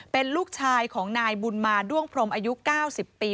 เป็นลูกชายของนายบุญมาด้วงพรมอายุ๙๐ปี